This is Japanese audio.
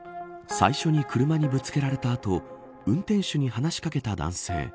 最初に車にぶつけられた後運転手に話し掛けた男性。